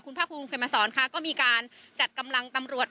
คุณภาคภูมิเคยมาสอนค่ะก็มีการจัดกำลังตำรวจ